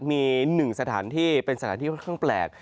มีหนึ่งสถานที่เป็นสถานที่ค่อนข้างแปลก